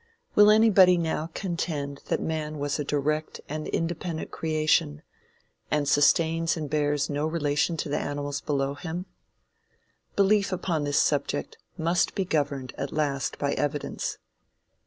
Will anybody now contend that man was a direct and independent creation, and sustains and bears no relation to the animals below him? Belief upon this subject must be governed at last by evidence.